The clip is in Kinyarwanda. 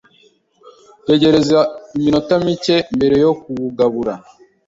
tegereza iminota mike mbere yo kuwugabura